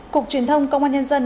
cục truyền thông công an nhân dân